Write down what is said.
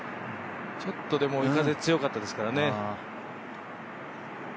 ちょっとでも、追い風強かったですからね。